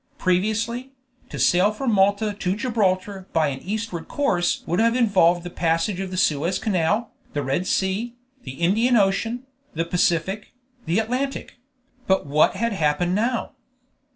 Previously, to sail from Malta to Gibraltar by an eastward course would have involved the passage of the Suez Canal, the Red Sea, the Indian Ocean, the Pacific, the Atlantic; but what had happened now?